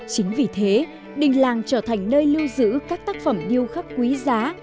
chính vì thế đình làng trở thành nơi lưu giữ các tác phẩm điêu khắc quý giá